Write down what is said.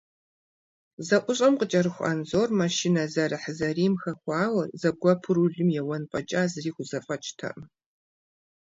ЗэӀущӀэм къыкӀэрыху Анзор, маршынэ зэрыхьэзэрийм хэхуауэ, зэгуэпу рулым еуэн фӏэкӏа зыри хузэфӀэкӀыртэкъым.